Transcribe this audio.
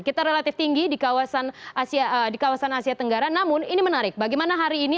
kita relatif tinggi di kawasan asia tenggara namun ini menarik bagaimana hari ini